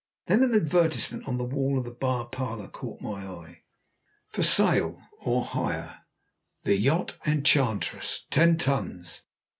Then an advertisement on the wall of the bar parlour caught my eye: "FOR SALE OR HIRE, THE YACHT, ENCHANTRESS. Ten Tons.